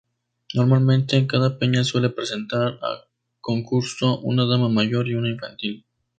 Normalmente, cada peña suele presentar a concurso una Dama mayor y una infantil.